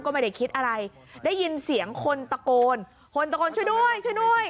ก็ไม่ได้คิดอะไรได้ยินเสียงคนตะโกนคนตะโกนช่วยด้วยช่วยด้วย